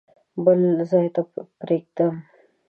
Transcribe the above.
بل ځای ته پرېږدم.